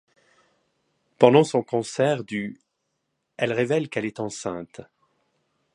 Pendant son concert du elle révèle qu'elle est enceinte.